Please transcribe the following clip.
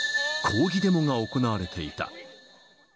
抗議デモが行われていた。